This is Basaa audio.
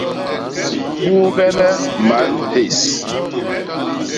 Buugene man hés!